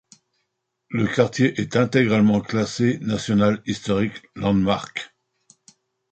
Le quartier est intégralement classé National Historic Landmark.